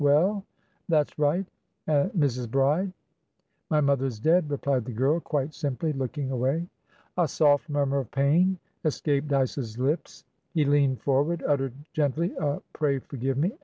Well? That's right. And Mrs. Bride?" "My mother is dead," replied the girl, quite simply, looking away. A soft murmur of pain escaped Dyce's lips; he leaned forward, uttered gently a "Pray forgive me!"